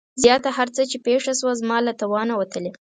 زياته هر څه چې پېښه شوه زما له توانه وتلې.